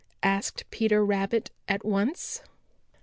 asked Peter Rabbit at once.